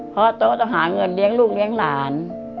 เพราะโต๊ะต้องหาเงินเลี้ยงลูกเลี้ยงหลาน